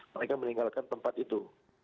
mereka meninggalkan tempat itu